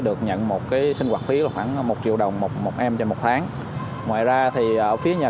được nhận một cái sinh hoạt phí là khoảng một triệu đồng một em trên một tháng ngoài ra thì ở phía nhà